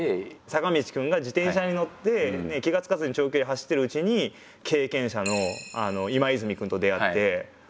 坂道くんが自転車に乗ってねえ気がつかずに長距離走ってるうちに経験者の今泉くんと出会って「あれ？